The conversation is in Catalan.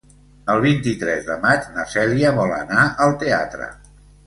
El vint-i-tres de maig na Cèlia vol anar al teatre.